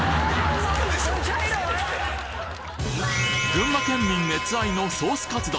群馬県民熱愛のソースかつ丼